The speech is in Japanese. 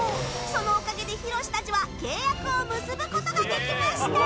そのおかげで、ひろしたちは契約を結ぶことができました！